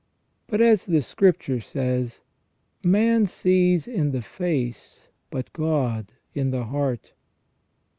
But, as the Scripture says :" Man sees in the face, but God in the heart